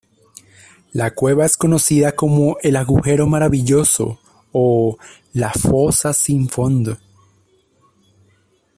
La cueva es conocida como el "Agujero Maravilloso" o la "Fosa Sin fondo".